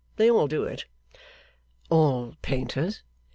They all do it.' 'All painters?